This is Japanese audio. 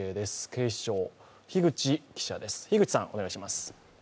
警視庁・樋口記者です。